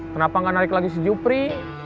kenapa gak narik lagi si jupri